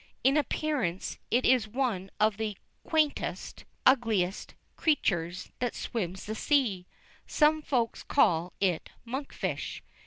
In appearance it is one of the quaintest, ugliest creatures that swims the sea. Some Folks call it monk fish.